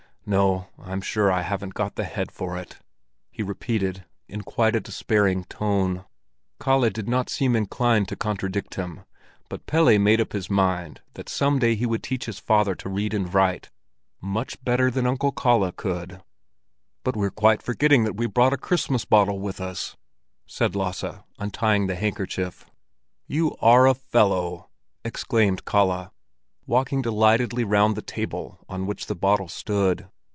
No, I'm sure I haven't got the head for it," he repeated in quite a despairing tone. Kalle did not seem inclined to contradict him, but Pelle made up his mind that some day he would teach his father to read and write—much better than Uncle Kalle could. "But we're quite forgetting that we brought a Christmas bottle with us!" said Lasse, untying the handkerchief. "You are a fellow!" exclaimed Kalle, walking delightedly round the table on which the bottle stood.